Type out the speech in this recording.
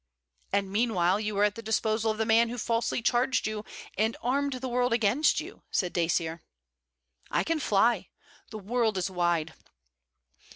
'And meanwhile you are at the disposal of the man who falsely charged you and armed the world against you,' said Dacier. 'I can fly. The world is wide.'